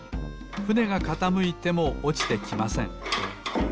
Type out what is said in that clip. ふねがかたむいてもおちてきません。